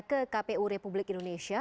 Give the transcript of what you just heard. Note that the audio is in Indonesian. ke kpu republik indonesia